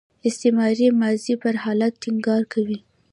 استمراري ماضي پر حالت ټینګار کوي.